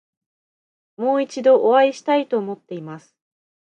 もう一度お会いしたいと思っています。